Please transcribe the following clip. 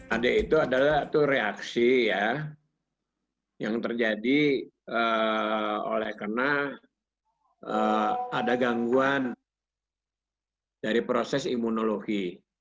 ade itu adalah reaksi ya yang terjadi oleh karena ada gangguan dari proses imunologi